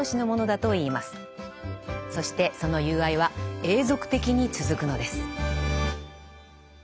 そしてその友愛は永続的に続くのです。